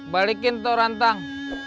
balikin kau rantang